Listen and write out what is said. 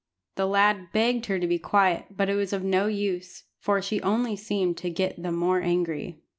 The lad begged her to be quiet, but it was of no use, for she only seemed to get the more angry.